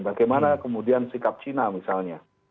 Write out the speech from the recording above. bagaimana kemudian sikap cina misalnya